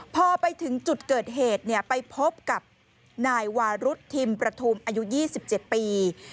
พอไปถึงจุดเกิดเหตุไปพบกับนายวารุธทิมประทุมอายุ๒๗ปี